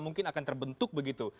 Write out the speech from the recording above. mungkin akan terbentuk begitu